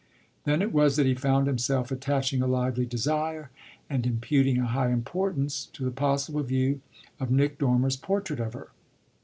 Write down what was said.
Then it was that he found himself attaching a lively desire and imputing a high importance to the possible view of Nick Dormer's portrait of her.